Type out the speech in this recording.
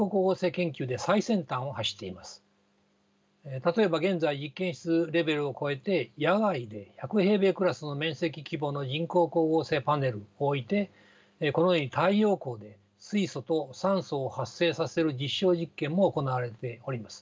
例えば現在実験室レベルを超えて野外で１００平米クラスの面積規模の人工光合成パネルを置いてこのように太陽光で水素と酸素を発生させる実証実験も行われております。